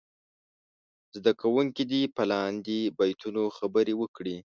زده کوونکي دې په لاندې بیتونو خبرې وکړي.